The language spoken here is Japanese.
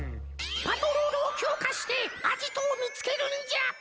パトロールをきょうかしてアジトをみつけるんじゃ！